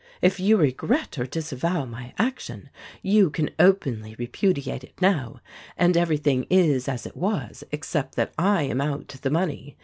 "If you regret or disavow my action, you can openly repudiate it' now, and everything is as it was except that I am out the money.